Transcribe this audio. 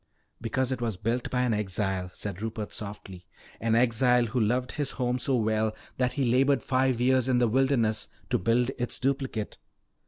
"Because it was built by an exile," said Rupert softly. "An exile who loved his home so well that he labored five years in the wilderness to build its duplicate.